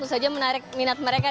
tentu saja menarik minat mereka